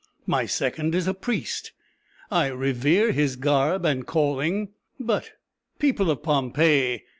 My second is a priest: I revere his garb and calling but, people of Pompeii!